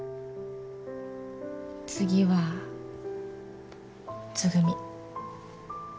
次はつぐみ。